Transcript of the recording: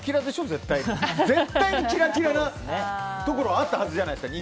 絶対にキラキラなところあったはずじゃないですか。